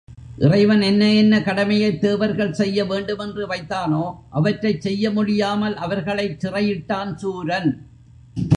இறைவன் என்ன என்ன கடமையைத் தேவர்கள் செய்ய வேண்டுமென்று வைத்தானோ அவற்றைச் செய்ய முடியாமல் அவர்களைச் சிறையிட்டான் சூரன்.